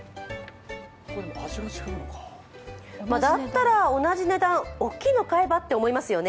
だったら同じ値段、大きいのを買えばとなりますよね。